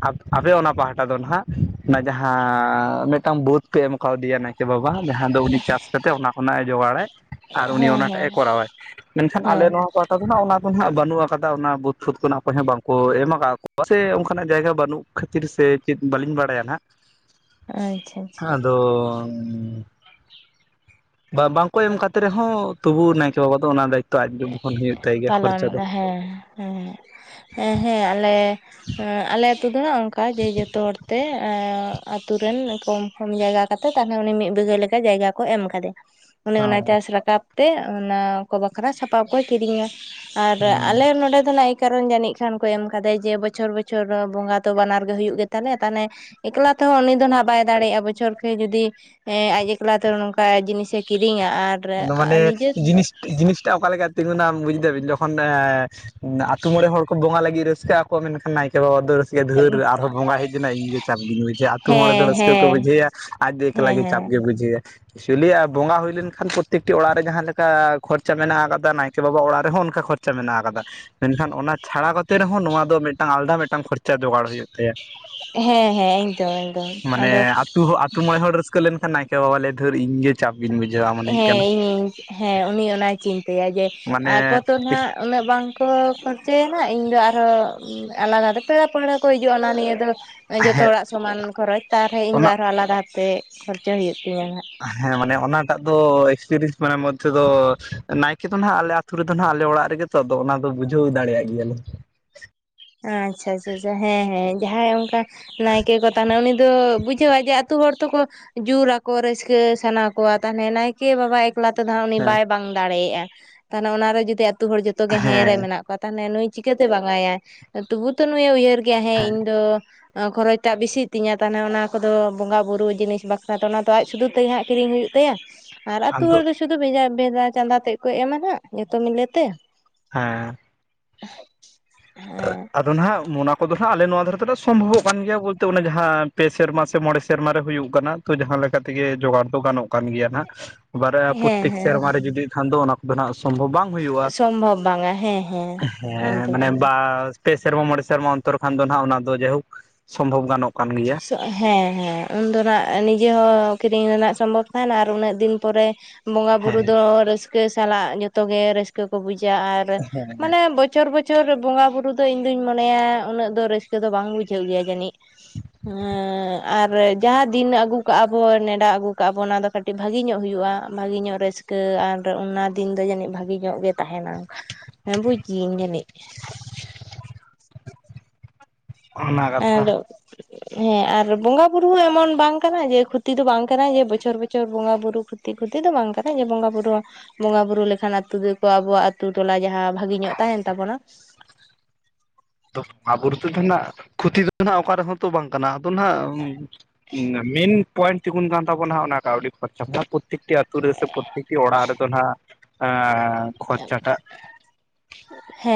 Speaker 2: ᱟᱯ ᱟᱯᱮ ᱚᱱᱟ ᱯᱟᱦᱟᱴᱟ ᱫᱚᱱ ᱱᱟᱦᱟᱜ ᱚᱱᱟ ᱡᱟᱦᱟᱸ ᱢᱤᱫᱴᱟᱝ ᱵᱟᱹᱛ ᱯᱮ ᱮᱢ ᱠᱟᱣᱫᱮᱭᱟ ᱱᱟᱭᱠᱮ ᱵᱟᱵᱟ ᱡᱟᱦᱟᱸ ᱫᱚ ᱩᱱᱤ ᱪᱟᱥ ᱠᱟᱛᱮᱜ ᱚᱱᱟ ᱠᱷᱚᱱᱟᱜ ᱮ ᱡᱚᱜᱟᱲᱟᱭ, ᱟᱨ
Speaker 1: ᱦᱮᱸ
Speaker 2: ᱩᱱᱤ
Speaker 1: ᱦᱮᱸ ᱦᱮᱸ
Speaker 2: ᱚᱱᱟ ᱴᱟᱜᱼᱮ
Speaker 1: ᱦᱮᱸ
Speaker 2: ᱠᱚᱨᱟᱣᱟᱭ᱾ ᱢᱮᱱᱠᱷᱟᱱ ᱟᱞᱮ
Speaker 1: ᱦᱮᱸ
Speaker 2: ᱱᱚᱣᱟ ᱯᱟᱦᱟᱴᱟ ᱫᱚ ᱱᱟᱦᱟᱜ ᱚᱱᱟ ᱫᱚ ᱱᱟᱦᱟᱜ ᱵᱟᱹᱱᱩᱜ ᱟᱠᱟᱫᱟ, ᱚᱱᱟ ᱵᱟᱹᱫᱽ ᱯᱷᱟᱹᱛ [unintelligible] ᱚᱠᱚᱭ ᱦᱚᱸ ᱵᱟᱝᱠᱚ ᱮᱢ ᱟᱠᱟᱜ ᱠᱚᱣᱟ ᱥᱮ ᱚᱝᱠᱟᱱᱟᱜ ᱡᱟᱭᱜᱟ ᱵᱟᱹᱱᱩᱜ ᱠᱷᱟᱹᱛᱤᱨ ᱥᱮ ᱪᱮᱫ ᱵᱟᱹᱞᱤᱧ ᱵᱟᱲᱟᱭᱟ ᱱᱟᱦᱟᱜ᱾
Speaker 1: ᱟᱪᱪᱷᱟ᱾ ᱟᱪᱪᱷᱟ
Speaker 2: ᱟᱫᱚ ᱵᱟ ᱵᱟᱝᱠᱚ ᱮᱢ ᱠᱟᱛᱮ ᱨᱮᱦᱚᱸ ᱛᱚᱵᱩ ᱱᱟᱭᱠᱮ ᱵᱟᱵᱟ ᱫᱚ ᱚᱱᱟ ᱫᱟᱭ
Speaker 1: ᱯᱟᱞᱚᱱ ᱦᱮᱸ ᱦᱮᱸ᱾ ᱦᱮᱸ ᱦᱮᱸ ᱟᱞᱮ, ᱮᱸ ᱟᱞᱮ ᱟᱹᱛᱩ ᱫᱚ ᱚᱝᱠᱟ ᱡᱮ ᱡᱚᱛᱚ ᱦᱚᱲ ᱛᱮ ᱮᱸ ᱟᱛᱩ ᱨᱮᱱ ᱠᱚᱢ ᱯᱷᱚᱢ ᱡᱟᱭᱜᱟ ᱠᱟᱛᱮ ᱛᱟᱦᱚᱱᱮ ᱩᱱᱤ ᱢᱤᱫ ᱵᱤᱜᱷᱟᱹ ᱞᱮᱠᱟ ᱡᱟᱭᱜᱟ ᱠᱚ ᱮᱢ ᱠᱟᱫᱮᱭᱟ᱾ ᱚᱱᱮ ᱚᱱᱟᱭ
Speaker 2: ᱚ
Speaker 1: ᱪᱟᱥ ᱨᱟᱠᱟᱵ ᱛᱮ ᱚᱱᱟ ᱠᱚ ᱵᱟᱠᱷᱨᱟ ᱥᱟᱯᱟᱵ ᱠᱚᱭ ᱠᱤᱨᱤᱧᱟ᱾ ᱟᱨ
Speaker 2: ᱦᱮᱸ
Speaker 1: ᱟᱞᱮ ᱱᱚᱰᱮ ᱫᱚ ᱱᱟᱭ ᱠᱟᱨᱮᱱ ᱡᱟᱹᱱᱤᱡ ᱠᱷᱟᱱ ᱠᱚ ᱮᱢ ᱠᱟᱫᱮᱭᱟ ᱡᱮ ᱵᱚᱪᱷᱚᱨ ᱵᱚᱪᱷᱚᱨ ᱵᱚᱸᱜᱟ ᱫᱚ ᱵᱟᱱᱟᱨ ᱜᱮ ᱦᱩᱭᱩᱜ ᱜᱮ ᱛᱟᱞᱮ ᱛᱟᱦᱮᱱᱮ ᱮᱠᱞᱟ ᱛᱮᱦᱚᱸ ᱩᱱᱤ ᱫᱚ ᱱᱟᱦᱟᱜ ᱵᱟᱭ ᱫᱟᱲᱮᱭᱟᱜᱼᱟ ᱵᱚᱪᱷᱚᱨ [unintelligible] ᱡᱩᱫᱤ ᱮᱸᱻ ᱟᱡ ᱮᱠᱞᱟ ᱛᱮ ᱱᱚᱝᱠᱟ ᱡᱤᱱᱤᱥᱮ ᱠᱤᱨᱤᱧᱟ ᱟᱨ
Speaker 2: ᱚᱱᱟ ᱢᱟᱱᱮ
Speaker 1: ᱱᱤᱡᱮ
Speaker 2: ᱡᱤᱱᱤᱥ ᱡᱤᱱᱤᱥᱴᱟᱜ ᱚᱠᱟ ᱞᱮᱠᱟ ᱛᱤᱸᱜᱩᱱᱟ ᱵᱩᱡᱷ ᱫᱟᱵᱤᱱ ᱡᱚᱠᱷᱚᱱ ᱮᱸ, ᱟᱛᱩ ᱢᱚᱬᱮ ᱦᱚᱲ ᱠᱚ ᱵᱚᱸᱜᱟ ᱞᱟᱹᱜᱤᱫ ᱨᱟᱹᱥᱠᱟᱹᱜ ᱟ ᱠᱚ ᱢᱮᱱᱠᱷᱟᱱ ᱱᱟᱭᱠᱮ ᱵᱟᱵᱟ ᱫᱷᱟᱹᱨ ᱜᱮ ᱫᱷᱟᱹᱨ ᱟᱨᱦᱚᱸ ᱵᱚᱸᱜᱟ ᱦᱮᱡ ᱮᱱᱟᱭ ᱤᱧ ᱜᱮ ᱪᱟᱯ ᱜᱤᱧ ᱵᱩᱡᱟ, ᱟᱛᱩ ᱢᱚᱬᱮ ᱫᱚ
Speaker 1: ᱦᱮᱸ
Speaker 2: ᱨᱟᱹᱥᱠᱟᱹ ᱠᱚ
Speaker 1: ᱦᱮᱸ
Speaker 2: ᱵᱩᱡᱷᱟᱹᱭᱟ ᱟᱡ ᱫᱚ ᱮᱠᱞᱟ
Speaker 1: ᱦᱮᱸ
Speaker 2: ᱜᱮ ᱪᱟᱯ
Speaker 1: ᱦᱮᱸ
Speaker 2: ᱜᱮ ᱵᱩᱡᱷᱟᱹᱭᱟ, ᱮᱠᱪᱩᱞᱤ ᱟᱨ ᱵᱚᱸᱜᱟ ᱦᱩᱭ ᱞᱮᱱᱠᱷᱟᱱ ᱠᱚ ᱯᱚᱛᱛᱮᱠᱴᱤ ᱚᱲᱟᱜ ᱨᱮ ᱡᱟᱦᱟᱸ ᱞᱮᱠᱟ ᱠᱷᱚᱨᱪᱟ ᱢᱮᱱᱟᱜ ᱟᱠᱟᱫᱟ ᱱᱟᱭᱠᱮ ᱵᱟᱵᱟ ᱚᱲᱟᱜ ᱨᱮᱦᱚᱸ ᱚᱱᱠᱟ ᱠᱷᱚᱨ ᱪᱮ ᱢᱮᱱᱟᱜ ᱟᱠᱟᱫᱟ ᱢᱮᱱᱠᱷᱟᱱ ᱚᱱᱟ ᱪᱷᱟᱲᱟ ᱠᱟᱛᱮ ᱨᱮᱦᱚᱸ ᱱᱚᱣᱟ ᱫᱚ ᱢᱤᱫᱴᱟᱝ ᱟᱞᱫᱟ ᱢᱤᱫᱴᱟᱝ ᱠᱷᱚᱨᱪᱟ ᱡᱚᱜᱟᱲ ᱦᱩᱭᱩᱜ ᱛᱟᱭᱟ᱾
Speaker 1: ᱦᱮᱸ, ᱦᱮᱸ, ᱮᱠᱫᱚᱢ ᱮᱠᱫᱚᱢ ᱟᱫᱚ
Speaker 2: ᱠᱟᱹ ᱞᱮᱱᱠᱷᱟᱱ ᱱᱟᱭᱠᱮ ᱵᱟᱵᱟ ᱞᱟᱹᱭ ᱫᱷᱟᱹᱨ ᱤᱧ ᱜᱮ ᱪᱟᱯ ᱜᱤᱧ ᱵᱩᱡᱷᱟᱹᱣᱟ ᱢᱚᱱᱮ ᱦᱩᱭᱩᱜ
Speaker 1: ᱦᱮᱸ
Speaker 2: ᱠᱟᱱᱟ
Speaker 1: ᱤᱧ-ᱤᱧ ᱦᱮᱸ ᱩᱱᱤ ᱚᱱᱟᱭ ᱪᱤᱱᱛᱟᱹᱭᱟ ᱡᱮ
Speaker 2: ᱢᱟᱱᱮ
Speaker 1: ᱟᱠᱚ ᱛᱚᱱ ᱦᱟᱸᱜ ᱩᱱᱟᱹᱜ ᱵᱟᱝ ᱠᱚ ᱠᱷᱚᱨᱪᱟᱭᱟᱱ ᱦᱟᱸᱜ ᱤᱧᱫᱚ ᱟᱨᱦᱚᱸ ᱟᱞᱟᱫᱟ ᱨᱮ ᱯᱮᱲᱟ ᱯᱟᱹᱲᱦᱟᱹ ᱠᱚ ᱦᱤᱡᱩᱜᱼᱟ ᱚᱱᱟ ᱱᱤᱭᱟᱹ ᱫᱚ
Speaker 2: ᱦᱮᱸ
Speaker 1: ᱡᱚᱛᱚ ᱦᱚᱲᱟᱜ ᱥᱚᱢᱟᱱ ᱠᱷᱚᱨᱚᱪ ᱛᱟᱨᱦᱮ ᱤᱧᱫᱚ
Speaker 2: ᱚᱱᱟ
Speaker 1: ᱟᱨᱦᱚᱸ ᱟᱞᱟᱫᱟ ᱛᱮ ᱠᱷᱚᱨᱪᱟ ᱦᱩᱭᱩᱜ ᱛᱤᱧᱟᱹ ᱦᱟᱸᱜ᱾
Speaker 2: ᱦᱮᱸ ᱢᱟᱱᱮ ᱚᱱᱟ ᱴᱟᱜ ᱫᱚ ᱮᱠᱥᱯᱤᱨᱤᱥ ᱢᱟᱱᱮ ᱢᱚᱫᱽᱫᱷᱮ ᱫᱚ ᱱᱟᱭ ᱠᱮ ᱫᱚᱱ ᱦᱟᱸᱜ ᱟᱞᱮ ᱟᱹᱛᱩ ᱨᱮᱫᱚᱱ ᱦᱟᱸᱜ ᱟᱞᱮ ᱚᱲᱟᱜ ᱨᱮᱜᱮ ᱛᱚ ᱟᱫᱚ ᱚᱱᱟᱫᱚ ᱵᱩᱡᱷᱟᱹᱣ ᱫᱟᱲᱮᱭᱟᱜ ᱜᱮᱭᱟᱞᱮ᱾
Speaker 1: ᱟᱪᱪᱷᱟ, ᱟᱪᱪᱷᱟ, ᱪᱷᱟ ᱦᱮᱸ, ᱦᱮᱸ, ᱡᱟᱦᱟᱸᱭ ᱚᱱᱠᱟ ᱱᱟᱭᱠᱮ ᱠᱚ ᱛᱟᱦᱮᱸᱱᱟ ᱩᱱᱤ ᱫᱚ ᱵᱩᱡ [unintelligible] ᱡᱮ ᱟᱹᱛᱩ ᱦᱚᱲ ᱛᱚᱠᱚ ᱡᱩᱨ ᱟᱠᱚ ᱨᱟᱹᱥᱠᱟᱹ ᱥᱟᱱᱟ ᱠᱚᱣᱟ ᱛᱟᱦᱚᱞᱮ ᱱᱟᱭᱠᱮ ᱵᱟᱵᱟ ᱮᱠ ᱮᱠᱞᱟ ᱛᱮᱫᱚ ᱦᱟᱸᱜ ᱩᱱᱤ
Speaker 2: ᱦᱮᱸ
Speaker 1: ᱵᱟᱭ ᱵᱟᱝ ᱫᱟᱲᱮᱭᱟᱜᱼᱟᱭ ᱛᱟᱦᱚᱞᱮ ᱚᱱᱟᱨᱮ ᱡᱩᱫᱤ ᱟᱹᱛᱩ ᱦᱚᱲ ᱡᱚᱛᱚ ᱜᱮ ᱦᱮᱸ ᱨᱮ ᱢᱮᱱᱟᱜ ᱠᱚᱣᱟ ᱛᱟᱦᱚᱞᱮ ᱱᱩᱭ ᱪᱤᱠᱟ ᱹᱛᱮ ᱵᱟᱝ ᱟᱭᱟᱭ ᱛᱚᱵᱩ ᱛᱚ ᱱᱩᱭᱮ ᱩᱭᱦᱟᱹᱨ ᱜᱮᱭᱟ ᱦᱮᱸ ᱤᱧᱫᱚ ᱟᱸ ᱠᱷᱚᱨᱚᱪ ᱴᱟᱜ ᱵᱤᱥᱤᱜ ᱛᱤᱧᱟᱹ ᱛᱟᱦᱱᱮ ᱚᱱᱟ ᱠᱚᱫᱚ ᱵᱚᱸᱜᱟ ᱵᱩᱨᱩ ᱡᱤᱱᱤᱥ ᱵᱟᱠᱷᱨᱟ ᱫᱚ ᱚᱱᱟ ᱫᱚ ᱟᱡ ᱥᱩᱫᱷᱩ ᱛᱟᱹᱭ ᱦᱟᱸᱜ ᱠᱤᱨᱤᱧ ᱦᱩᱭᱩᱜ ᱛᱟᱭᱟ, ᱟᱨ ᱟᱹᱛᱩ ᱦᱚᱲ
Speaker 2: ᱟᱫᱚ
Speaker 1: ᱫᱚ ᱥᱩᱫᱷᱩ ᱵᱷᱮᱡᱟ- ᱵᱮᱡᱟ ᱪᱟᱸᱫᱟ ᱛᱮᱫ ᱠᱚ ᱮᱢᱟ ᱦᱟᱸᱜ ᱡᱚᱛᱚ ᱢᱤᱞᱮ ᱛᱮ᱾
Speaker 2: ᱦᱮᱸ᱾
Speaker 1: ᱦᱮᱸ᱾
Speaker 2: ᱟᱫᱚᱱ ᱦᱟᱸᱜ ᱢᱩᱱᱟ ᱠᱚᱫᱚ ᱦᱟᱸᱜ ᱟᱞᱮ ᱱᱚᱣᱟ ᱫᱷᱟᱨᱮ ᱛᱚᱞᱮ ᱥᱚᱢᱵᱷᱚᱵᱚᱜ ᱠᱟᱱ ᱜᱮᱭᱟ ᱵᱳᱞ ᱛᱮ ᱚᱱᱮ ᱡᱟᱦᱟᱸ ᱯᱮ ᱥᱮᱨᱢᱟ ᱥᱮ ᱢᱚᱬᱮ ᱥᱮᱨᱢᱟ ᱨᱮ ᱦᱩᱭᱩᱜ ᱠᱟᱱᱟ᱾ ᱛᱚ ᱡᱟᱦᱟᱸ ᱞᱮᱠᱟ ᱛᱮᱜᱮ ᱡᱚᱜᱟᱲ ᱫᱚ ᱜᱟᱱᱚᱜ ᱠᱟᱱ ᱜᱮᱭᱟ ᱱᱟᱜ ᱵᱟᱨᱭᱟ
Speaker 1: ᱦᱮᱸ
Speaker 2: ᱯᱨᱚᱛᱮᱠ
Speaker 1: ᱦᱮᱸ
Speaker 2: ᱥᱮᱨᱢᱟ ᱨᱮ ᱡᱩᱫᱤ ᱮᱠᱷᱟᱱ ᱫᱚ ᱚᱱᱟ ᱠᱚᱫᱚᱱᱟᱜ ᱥᱚᱢᱵᱷᱚᱵᱽ ᱵᱟᱝ ᱦᱩᱭᱩᱜᱼᱟ
Speaker 1: ᱥᱚᱢᱵᱷᱚᱵ ᱵᱟᱝᱼᱟ ᱾ᱦᱮᱸ, ᱦᱮᱸ ᱮᱠᱫᱚᱢ, ᱮᱠᱫᱚᱢ᱾
Speaker 2: ᱟᱨ ᱯᱮ ᱥᱮᱨᱢᱟ ᱢᱚᱬᱮ ᱥᱮᱨᱢᱟ ᱚᱱᱛᱚᱨ ᱠᱷᱟᱱ ᱫᱚ ᱦᱟᱸᱜ ᱚᱱᱟ ᱫᱚ ᱡᱟᱭᱦᱳᱠ ᱥᱚᱢᱵᱷᱚᱵ ᱜᱟᱱᱚᱜ ᱠᱟᱱ ᱜᱮᱭᱟ᱾
Speaker 1: ᱦᱮᱸ ᱦᱮᱸ ᱩᱱ ᱫᱚ ᱱᱟᱜ ᱱᱤᱡᱮ ᱦᱚᱸ ᱠᱤᱨᱤᱧ ᱨᱮᱱᱟᱜ ᱥᱚᱢᱵᱷᱚᱵ ᱛᱟᱦᱮᱱᱟ ᱟᱨ ᱩᱱᱟᱹᱜ ᱫᱤᱱ ᱯᱚᱨᱮ ᱵᱚᱸᱜᱟ ᱵᱩᱨᱩ
Speaker 2: ᱦᱮᱸ
Speaker 1: ᱫᱚ ᱨᱟᱹᱥᱠᱟᱹ ᱥᱟᱞᱟᱜ ᱡᱚᱛᱚ ᱜᱮ ᱨᱟᱹᱥᱠᱟᱹ ᱠᱚ ᱵᱩᱡᱟ ᱟᱨ
Speaker 2: ᱦᱮᱸ
Speaker 1: ᱢᱟᱱᱮ ᱵᱚᱪᱷᱚᱨ ᱵᱚᱪᱷᱚᱨ ᱵᱚᱸᱜᱟ ᱵᱩᱨᱩ ᱫᱚ ᱤᱧ ᱫᱩᱧ ᱢᱚᱱᱮᱭᱟ ᱩᱱᱟᱹᱜ ᱫᱚ ᱨᱟᱹᱥᱠᱟᱹ ᱫᱚ ᱵᱟᱝ ᱵᱩᱡᱷᱟᱹᱜ ᱜᱮᱭᱟ ᱡᱟᱹᱱᱤᱡ᱾ ᱦᱮᱸᱻ᱾ ᱟᱨ ᱡᱟᱦᱟᱸ ᱫᱤᱱ ᱟᱹᱜᱩ ᱠᱟᱜᱼᱟ ᱵᱚᱱ ᱱᱮᱰᱟ ᱟᱹᱜᱩ ᱠᱟᱜᱼᱟ ᱵᱚ ᱚᱱᱟ ᱫᱚ ᱠᱟᱹᱴᱤᱡ ᱵᱷᱟᱜᱮ ᱧᱚᱜ ᱦᱩᱭᱩᱜᱼᱟ ᱵᱷᱟᱹᱜᱮ ᱧᱚᱜ ᱨᱟᱹᱥᱠᱟᱹ ᱠᱟᱹ ᱟᱨ ᱚᱱᱟ ᱫᱤᱱ ᱫᱚ ᱡᱟᱹᱱᱤᱡ ᱵᱷᱟᱜᱮ ᱧᱚᱜ ᱜᱮ ᱛᱟᱦᱮᱱᱟ ᱵᱩᱡ ᱜᱤᱭᱟᱹᱧ ᱡᱟᱹᱱᱤᱡ᱾
Speaker 2: ᱚᱱᱟ ᱠᱟᱛᱷᱟ
Speaker 1: [unintelligible] ᱦᱮᱸ ᱟᱨ ᱵᱚᱸᱜᱟ ᱵᱩᱨᱩ ᱦᱚᱸ ᱮᱢᱚᱱ ᱵᱟᱝ ᱠᱟᱱᱟ ᱡᱮ ᱠᱷᱚᱛᱤ ᱫᱚ ᱵᱟᱝ ᱠᱟᱱᱟ ᱡᱮ ᱵᱚᱪᱷᱚᱨ ᱵᱚᱪᱷᱚᱨ ᱵᱚᱸᱜᱟ ᱵᱩᱨᱩ ᱠᱷᱚ ᱠᱷᱩᱛᱤ ᱠᱷᱩᱛᱤ ᱫᱚ ᱵᱟᱝ ᱠᱟᱱᱟ ᱡᱮ ᱵᱚᱸᱜᱟ ᱵᱩᱨᱩ ᱣᱟᱜ ᱵᱚᱸᱜᱟ ᱵᱩᱨᱩ ᱞᱮᱠᱷᱟᱱ ᱟᱛᱩ ᱫᱚᱠᱚ ᱟᱵᱚᱣᱟᱜ ᱟᱛᱩ ᱴᱚᱞᱟ ᱡᱟᱦᱟᱸ ᱵᱷᱟᱜᱮ ᱧᱚᱜ ᱛᱟᱦᱮᱱ ᱛᱟᱵᱚᱱᱟ᱾
Speaker 2: ᱟᱵᱩᱨ ᱛᱮᱫᱚ ᱱᱟᱜ ᱠᱷᱚᱛᱤ ᱫᱚ ᱱᱟᱜ ᱚᱠᱟ ᱨᱮᱦᱚᱸ ᱛᱚ ᱵᱟᱝ ᱠᱟᱱᱟ ᱟᱫᱚ ᱱᱟᱜ ᱢᱮᱱ ᱯᱚᱭᱮᱱᱴ ᱛᱤᱜᱩᱱ ᱠᱟᱱ ᱛᱟᱵᱚᱱᱟ ᱦᱟ ᱚᱱᱟ ᱠᱟᱹᱣᱰᱤ ᱠᱷᱚᱨᱪᱟ ᱯᱨᱚᱛᱮᱠᱴᱤ ᱟᱛᱳ ᱨᱮ ᱥᱮ ᱯᱨᱚᱛᱮᱠ ᱚᱲᱟᱜ ᱨᱮᱫᱚ ᱱᱟᱜ ᱮ ᱠᱷᱚᱨᱪᱟ ᱴᱟᱜ
Speaker 1: ᱦᱮᱸ